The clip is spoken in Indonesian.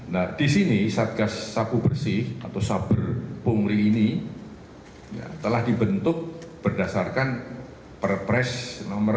nah di sini satgas sapu bersih atau saber pungli ini telah dibentuk berdasarkan perpres nomor dua